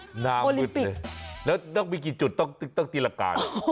โอลิมปิกน้ำหึดเลยแล้วนอกมีกี่จุดต้องตีรการ